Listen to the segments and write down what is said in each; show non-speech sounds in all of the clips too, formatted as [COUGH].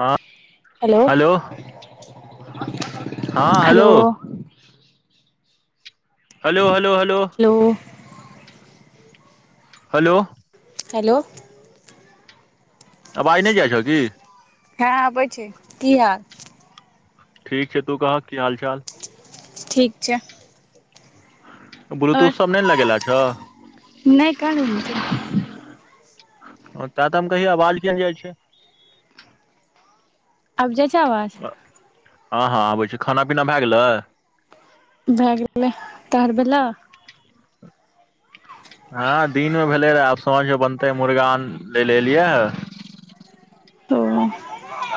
हँ हेलो हँ hello hello hello hello hello hello hello आबाज नैइ जाइ छ की हँआबै छै की हाल ठीक छै तू कहक की हाल चाल ठीक छै ब्लूटूथ आओर सब नहि ने लगेला छौ नहि कहां लगेने छियै ओ त तऽ हम कहि आवाज किया नै जाइ छै आब जाय हँ हँ आबै छै खाना पीना भए गेलै भए गेलै तोहर भेला हँ दिन मे भेले रहे आब सांझमे बनते मुर्गा आन ले ले एलियै तऽ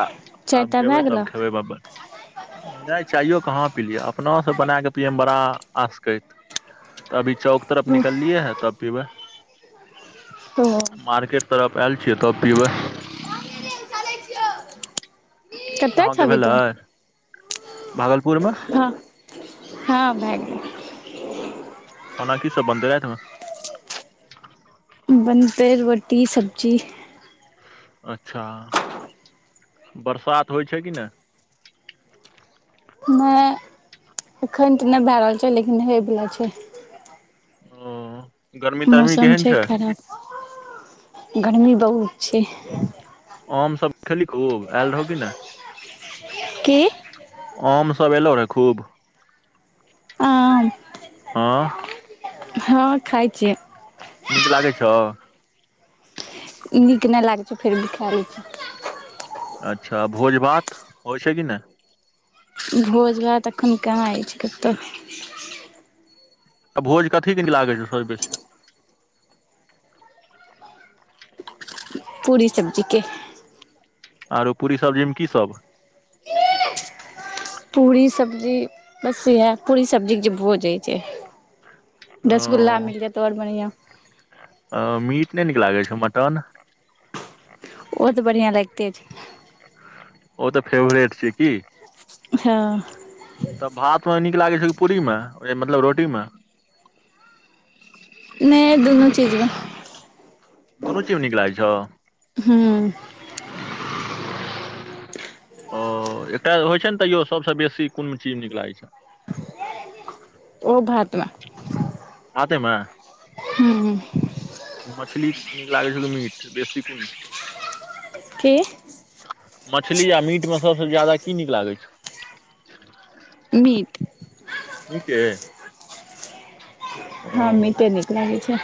आ आब जेबै तब खेबै ब नै चाहियो कहाँ पीलिअ अपनासँ बनाकऽ पियैमे बड़ा आसकैत तऽ अभी चौक तरफ निकललियए ह त पिबै ओ मार्केट तरफ आयल छियै तब पिबै चलै छियौ ह [INAUDIBLE] अहाँके भेलै भागलपुर मे हँ हँ भए गेल खाना की सब बनै रैतमे बनतै रोटी सब्जी अच्छा बरसात होइ छै कि नै नै एखन तऽ नहि भए रहल छै लेकिन होइवला छै ह मौसम छै खराब गर्मी बहुत छै आम सब खेली खूब आयल रहि कि ने की आम सभ एयलहु रहै खूब आम हं हँ खाइ छियै नीक लागै छौ नीक नहि लागै छै फेर खा लै छै अच्छा भोज भात होइ छै कि नहि भोज भात एखन कहां होइ छै कतहु तऽ भोज कथी की लागै छै सब बेसी पूरी सब्जी के आरो पूरी सब्जी मे की सब पूरी सब्जी बस इएह पूरी सब्जी के जे भोज होय छै ओ रसगुल्ला मिल जायत आओर बढ़िआँ अ मीट नहि नीक लागे छै मटन ओ तऽ बढ़िआँ लगिते छै ओ तऽ फेवरेट छिय की हँ तऽ भात मे नीक लागै छै की पूरी मे मतलब रोटी मे नहि दुनू चीज मे दुोनो चीज म नीक लागै छ हू ओ एकटा होइ छै ने तैो सबसँ बेसी कोनो चीज नीक लागै छै ओ भात में भाते में हू ह मछली नीक लागै छौ कि मीट बेसी कुन की मछली आ मीटमे सभसँ ज्यादा की नीक लागै छौ मीट मीटे ओ हँ मीटे नीक लागै छै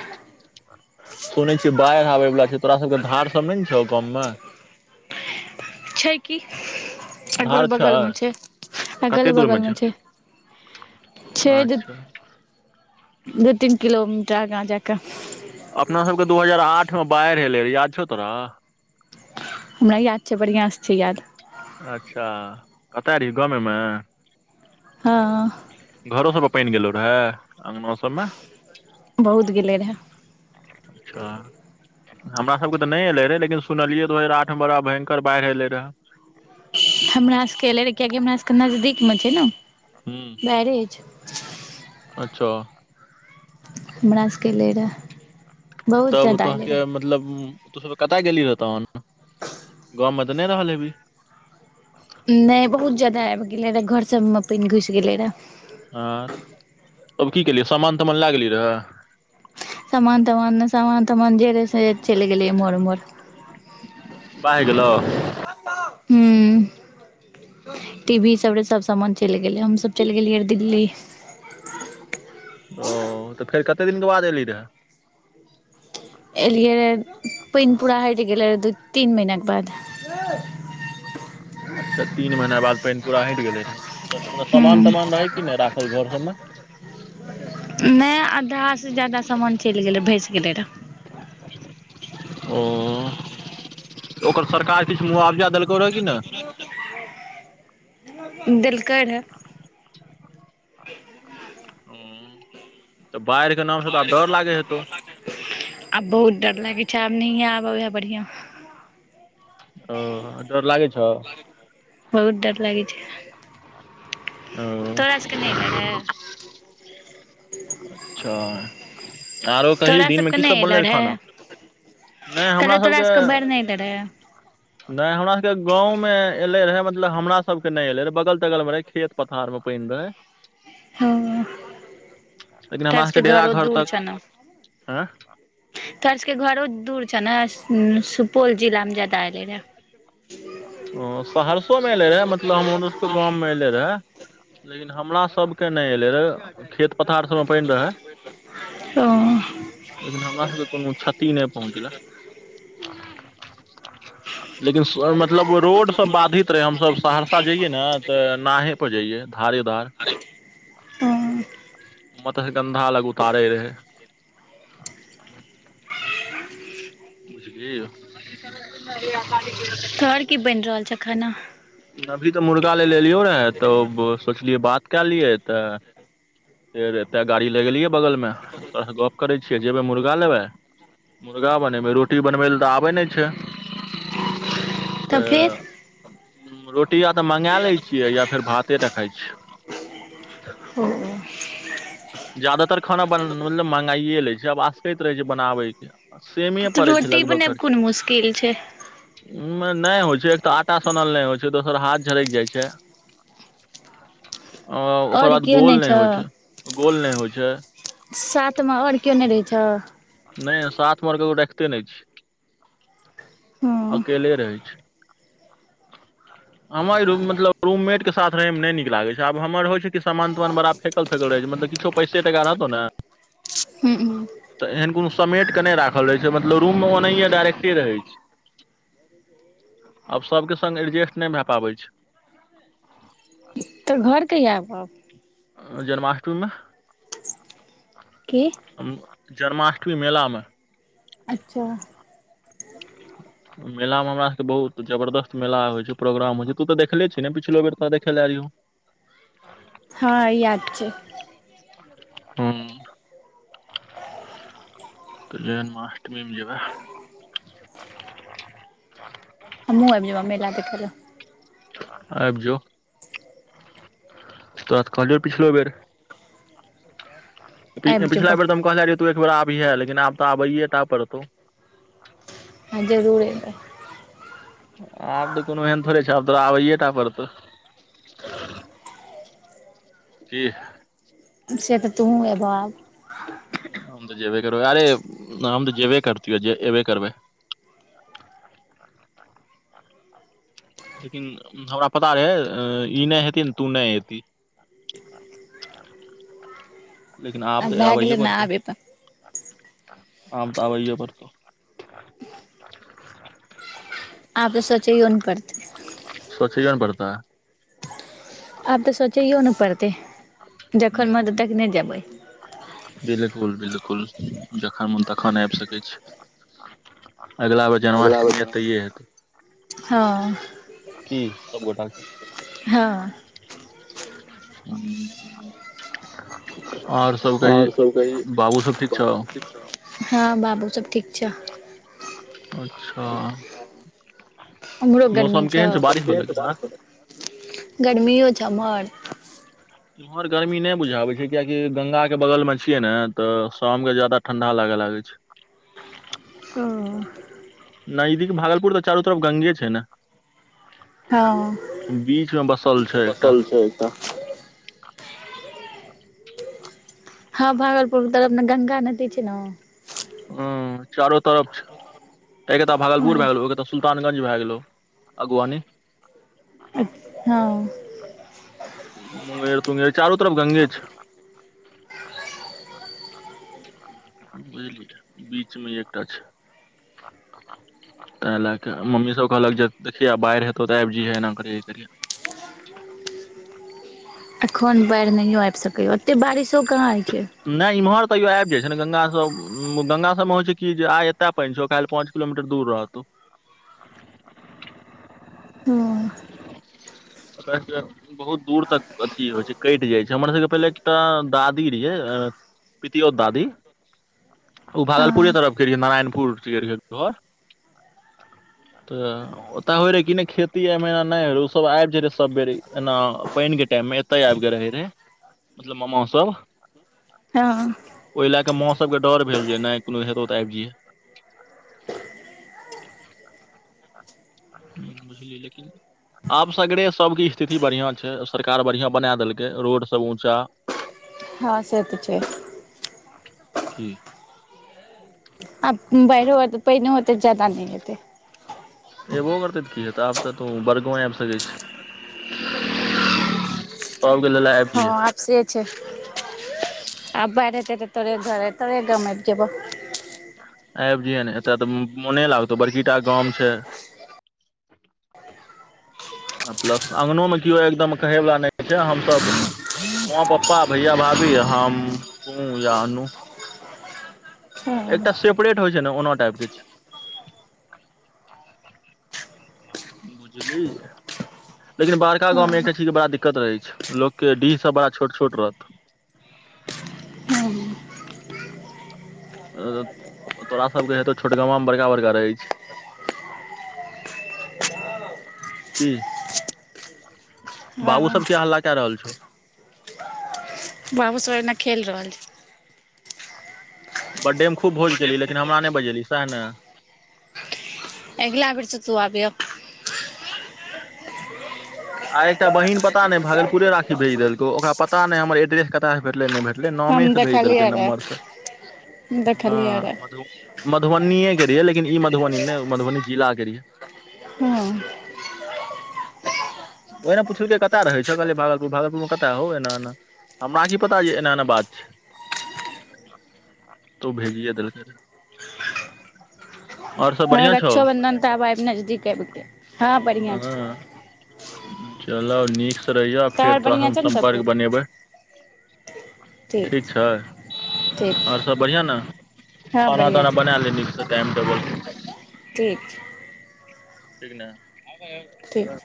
सुनने छियै बाढ़ि आबे वाला छै तोरा सबके धार सब ने छौ गाम मे छै की अगल बगलमे छै कते अगल दूर मे बगलमे छै छै अच्छा दू तीन किलोमीटर अगाँ जाक अपना सबके दू हजार आठ मे बाढ़ि एलै र याद छौ तोरा हमरा याद छै बढ़िआँ सँ छै याद अच्छा कतय रहिय गामे मे हँ घरो सबमें पानि गेलो रहे अंगनो सब में बहुत गेलै रहए अच्छा हमरा सबके तऽ नहि एले रहे लेकिन सुनलियै दू हजार आठ मे बड़ा भयंकर बाढ़ि एलै रहए हमरा सबके एले रहै कियाकि हमरा सबके नजदीक मे छै ने हू [UNINTELLIGIBLE] अच्छा हमरा सभके अलेय रहए तब तोहाँके मतलब तु सब कतय गेली रही तोन गाँवमे तऽ नहि रहल हेभी नहि बहुत ज्यादा आबि गेले रहै घर सब में पानि घुसि गेल रहे हँ तब की केलियै सामान तामान लेगली रहे सामान तामान ने समान तमान जे रहे से चलि गेलयै एमहर ऊमहर बाइह गेलौ हू टी वी सब रे सभ सामान चलि गेलै हमसभ चलि गेलियै रहे दिल्ली ओ तऽ फेर कते दिनके बाद एयली रहऽ एलियै पानि पूरा हटि गेल रहऽ दू तीन महिनाके बाद [INAUDIBLE] अच्छा तीन महिना बाद पानि पूरा हटि गेले रहे म हूँ सामान तामान रहे की नहि राखल घर सभमें नहि अधहा से ज्यादा सामान चलि गेलै भस गेलै र ओ ओकर सरकार किछु मुआवजा देलकौ रहए कि नहि देलकै रहऽ ह तऽ बाढ़िके नामसँ तऽ आब डर लागै हेतौ आब बहुत डर लागैत छै आब नहिए आब ओहाय बढ़िया ओ डर लागे छौ बहुत डर लागि छै ओ तोड़ा सबके नहि एलौ रहऽ अच्छा आरो कही तोरा दिनमे सबके कीसभ नहि बनल एलऽ रहै खाना नहि हमरा कहलियौ तोरा सभके सबके बाढ़ि नहि एलऽ रहै नहि हमरा सबके गाँवमे एले रहे मतलब मतलब हमरा सबके के नहि एले रहे बगल तगल मे रहे खेत पथार में पानि रहे ओ लेकिन तोहर हमराके सबके डेरा घरो घर तक हँ तोर सबके घरो दूर छौ ने सुपौल जिलामे जा ओ सहरसो मे एले रहे मतलब हम सबके गाँवमे एले लेकिन हमरा सबके नहि एले रहऽ खेत पथार सबमे पानि रहै ओ लेकिन हमरा सभके कोनो क्षति नहि पहुँचलय लेकिन मतलब रोड सब बाधित रहै हमस सहरसा जइयै ने तऽ नावे पर जइयए धारे धार ओ मत्स्यगंधा लग उतारे रहै बुझलिहिं तोहर की बनि रहल छ खाना अभी तऽ मुर्गा ले लेलियो रह तऽ सोचलियै बात क लियै तऽ फेर एते गाड़ी लगेलियै बगल में तोर से गप करे छी के जेबै मुर्गा लेबै मुर्गा बनेबै रोटी बनबै लए तऽ आबे नहि छै तऽ रोटी आ तऽ मँंगगा लै छियै या फेर भाते टा खाइत छियै ओ [INAUDIBLE] जदातर खाना बन मतलब महंगाइए लै छै आब आसकैत रहै छै बनाबैके सेमेए पड़ै छै लगभग खर्च तिल छै नहि होइ छै एक तऽ आटा सनल नहि होइ छै दोसर हाथ झरकि जाइ छै अ ओकर आओर बाद केओ गोल नहि छ होइ छै गोल नहि होइ छै साथमे आओर केओ नहि रहै छ नहि साथमे आओर ककरो रखते नहि छिय हँ अकेले रहै छिय [INAUDIBLE] हमर मतलब रूममेट के साथ रहय मे नहि नीक लागे छै आब हमर होइ छै कि सामान तमान बड़ा फेकल फेकल रहै मतब किछो पैसे टाका रहतौ ने हुँ तऽ एहन कोनो समेट कऽ नहि राखल रहै छै मतलब रूममे ओनाहियए डायरेक्टे रहै छै आब सभके सग एडजेस्ट नहि भए पाबै छै तऽ घर कहिया एबहक जन्माष्टमीमे की जन्माष्टमी मेलामे अच्छा मेला मे हमरा सबके बहुत जबरदस्त मेला होइ छै प्रोग्राम होइ छै तू तऽ देखले छिन ने पछलो बेर तऽ देखे लए रहियौ हँ याद छै हुँ तऽ जन्माष्टमी मे जेबै हमूह आबि जेबअ मेला देखलय आबि जो तोड़ा ते कहलियो पछिलो बेर आबि पिछला जेबह बेर तऽ हम कहने रहियै तू एक बेर आबिजो लेकिन आब तऽ आबैे टा पड़तौ हाँ जरूर अबै आब तऽ कोनो एहन थोड़े छै आब तोरा आबैये टा पड़तौ जी से तऽ तूँहू एब आब हम तऽ जेबे करबै अरे हम तऽ जेबे करतियो जे अबे करबै [UNINTELLIGIBLE] लेकिन हमरा पता रहै ई नहि हेत तू नहि ऐतीह लेकिन आब त भए आबैय गेलै मे ने परतो आब एबह आब तऽ आबैए पड़तौ आब ते सोचयौ नै पड़ते सोचयो ने पड़ते आब तऽ सोचैयो नहि पड़तै हू नहि जेबै बिल्कुल बिल्कुल जखन मन तखन आबि सकै छी अगिला बेर जन्माष्टमी एतैए हेतौ हँ की सब गोटा केँ [UNINTELLIGIBLE] हँ आओर सब कही बाबू सब ठीक छौ हँ बाबू सब ठीक छौ अच्छा अम्हरो गर्मी मौसम छौ केहन बारिश बला के हँ गर्मियो छौ अम्हर इम्हर गर्मी नहि बुझाबे छै कियाकि गंगा के बगल मे छियै ने तऽ शाम के जादा ठंडा लागऽ लागै छै ओ नजदीक भागलपुर तऽ चारू तरफ गंगे छै न हँ बीच मे बसल छै एकटा बसल छै हँ भागलपुर तरफ गंगा नदी छै न ह चारो तरफ ए कता भागलपुर भ गेलौ तऽ सुल्तानगंज भए गेलौ अगवानी हँ मुंगेर तुंगेर चारू तरफ गंगे छै बुझलिही बीचमे एकटा छै तां लए कऽ मम्मी सब कहलक जे देखिय बाढि हेतौ तऽ आबि जइहे एना करिये करियह एखन बाढ़ि नहियो आबि सकैए ओते बारिशो कहाँ होइ छै नै इम्हर तैयो आब जाय छै ने गंगा सब उ गंगा सब मे होइ छै कि जे आइ एता पानि छौ काल्हि पांच किलोमीटर दूर रहतो हँ [UNINTELLIGIBLE] बहुत दूर तक अथी होइ छै कैट जाइ छै हमर सबके पहिले एकटा दादी रिहै पतियौत दादी ओ भागलपुरे हँ तरफ के रहियै नारायणपुर घर तऽ ओता होय रहे कि न खेती ए महिना नहि हो रह ओ सब आबि जे रे सब बेर एना पानि के टाइम मे एतैआबि के रहय रहे मतलब मामा सब हँ ओहि लए क माँ सबके के डर भेल जे नहि कोनो हेतौ तऽ ऐब जैहिए बुझलिय लेकिन आब सगरे सब के स्थिति बढ़िया छै सरकार बढ़िया बना देलकै रोड सब ऊॅंचा हँ से तऽ छै ठीक आब बाइरो ओते पैनो होतै ज्यादा नै हतै एबो करतै तऽ की हेतै आब तऽ तू बड़गाँव आबि सकैत छी [UNINTELLIGIBLE] सभके ल हँ, आ से छै। आब बैरह हेतै तऽ तोरे घर, तोरे गाम आबि जएबो। आबि जइहें ने, एतय तऽ मोने लागतौ बड़की टा गाम छै। [INAUDIBLE] प्लस आँगनोमे केओ एकदम कहेवला नहि छै हमसभ। माँ पप्पा, भैया भाभी, हम, तू या अनू। एकटा हँ सेपरेट होइ छै ने, ओना टाइपके छै। [INAUDIBLE] बुझली लेकिन बड़का गाममे हँ एकटा चीजके बड़ा दिक्कत रहै, लोकक डीह सभ बड़ा छोट छोट रहै। तोरा सभके हेतौ, छोट गाममे बड़का बड़का रहै छै। की बाबू, हँ सभ के हल्ला कऽ रहल छौ? बाबू सभ ओना खेल रहल छै। बर्थडेमे खूब भोज केलली, लेकिन हमरा नै बजेलहि, सएह ने? अगिला बेरसँ तू आब। आ एकटा बहिन पता नहि, भागलपुरे राखी भेज देलकै ओकरा पता। पता नहि, हमर एड्रेस तऽ यसँ भेलै नहि भेटल। हम नामे सँ भेज देलकै, देखलियै रे नम्बर हऽ देखलियै रे मधु। मधुबनीके रहियै, लेकिन ई मधुबनी नहि, मधुबनी जिलाके रहियै। हँ ह [UNINTELLIGIBLE] ओना पूछलक, कतऽ रहै छऽ? कहलै, भागलपुर। भागलपुर कता हौ, एना एना। हमरा की पता यऽ, एना एना बात छै। [INAUDIBLE] तऽ भेजिए देलकै रहे। हँ रक्षाबंधन तऽ आब नजदीक आबि रहल छै, हँ, बढ़ियाँ छै। चलऽ, नीकसँ रहियऽ, फेर तोहर तोरासँ बढ़िआँ हम छौ ने सम्पर्क सबकुछ बनबै। ठीक छै। ठीक आओर सभ बढ़ियाँ ने? हँ खाना बढ़िआँ ताना छै बना ले, नीकसँ टाइम टेबल। ठीक छै ठीक ने ठीक